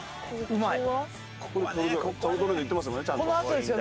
うまい！